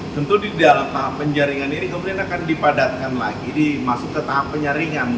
tentu di dalam penjaringan ini kemudian akan dipadatkan lagi masuk ke tahap penyaringan